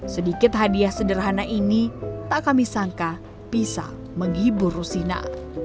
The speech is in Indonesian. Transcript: sedikit hadiah sederhana ini tak kami sangka bisa menghibur rusina